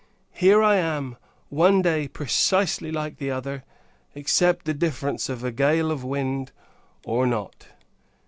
Here I am, one day precisely like the other; except the difference of a gale of wind, or not.